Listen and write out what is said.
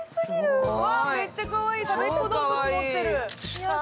めっちゃかわいい、たべっ子どうぶつ持ってる。